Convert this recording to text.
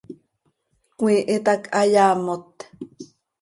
¡Cömiihit hac hayaamot!